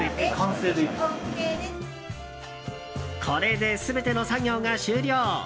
これで全ての作業が終了。